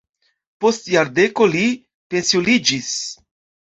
Post jardeko li pensiuliĝis.